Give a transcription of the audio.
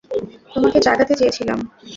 তোমাকে জাগাতে চেয়েছিলাম!